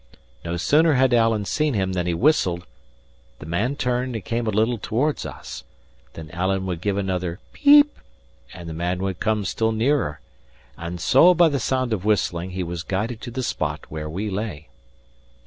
No sooner had Alan seen him than he whistled; the man turned and came a little towards us: then Alan would give another "peep!" and the man would come still nearer; and so by the sound of whistling, he was guided to the spot where we lay.